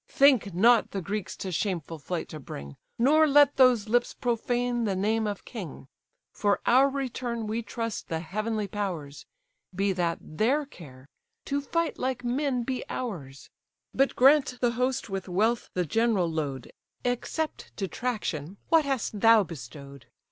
Think not the Greeks to shameful flight to bring, Nor let those lips profane the name of king. For our return we trust the heavenly powers; Be that their care; to fight like men be ours. But grant the host with wealth the general load, Except detraction, what hast thou bestow'd?